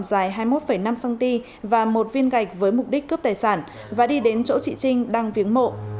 dài hai mươi một năm cm và một viên gạch với mục đích cướp tài sản và đi đến chỗ chị trinh đang viếng mộ